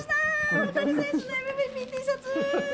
大谷選手のＭＶＰＴシャツ。